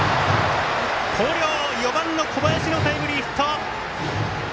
広陵、４番の小林のタイムリーヒット！